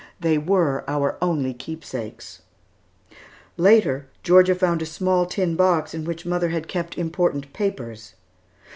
They were our only keepsakes. Later, Georgia found a small tin box in which mother had kept important papers.